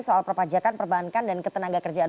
soal perpajakan perbankan dan ketenaga kerjaan